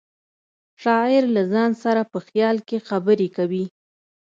شاعر له ځان سره په خیال کې خبرې کوي